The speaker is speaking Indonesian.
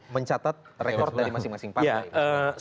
mencatat rekod dari masing masing partai